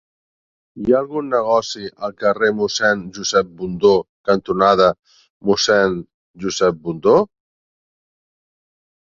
Hi ha algun negoci al carrer Mossèn Josep Bundó cantonada Mossèn Josep Bundó?